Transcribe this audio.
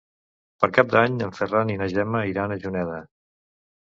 Per Cap d'Any en Ferran i na Gemma iran a Juneda.